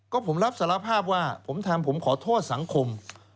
ก็ผมรับสารภาพว่าผมทำผมขอโทษสังคม